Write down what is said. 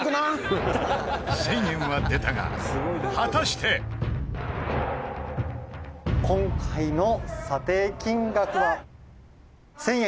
１０００円は出たが果たして岩尾さん：「今回の査定金額は１０００円」